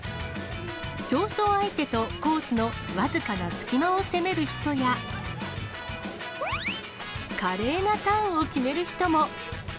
競争相手とコースの僅かな隙間を攻める人や、華麗なターンを決める人も。